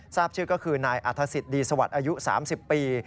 ทราบชื่อก็คือนายอัฐศิษย์ดีสวัสดิ์อายุ๓๐ปี